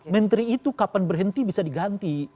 menteri itu kapan berhenti bisa diganti